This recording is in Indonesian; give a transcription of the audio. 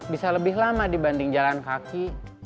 bisa lebih lama dibanding jalan kaki